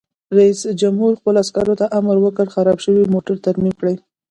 رئیس جمهور خپلو عسکرو ته امر وکړ؛ خراب شوي موټر ترمیم کړئ!